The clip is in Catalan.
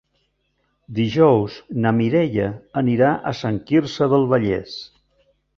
Dijous na Mireia anirà a Sant Quirze del Vallès.